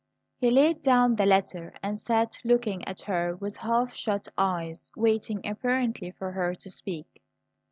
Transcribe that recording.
He laid down the letter and sat looking at her with half shut eyes, waiting, apparently, for her to speak.